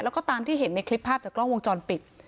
แล้วก็ตามที่เห็นในคลิปภาพจากกล้องวงจรปิด